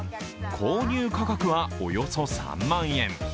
購入価格はおよそ３万円。